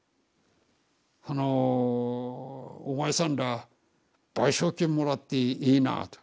あの「お前さんら賠償金もらっていいな」と。